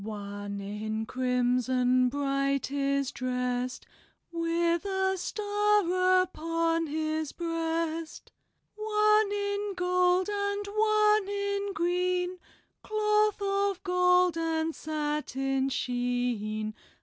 "One in crimson bright is drest, With a star upon his breast. One in gold and one in green, Cloth of gold and satin sheen.